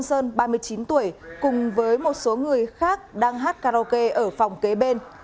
trần sơn ba mươi chín tuổi cùng với một số người khác đang hát karaoke ở phòng kế bên